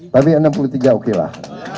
tapi enam puluh tiga oke lah